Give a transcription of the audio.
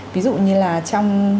ví dụ như là trong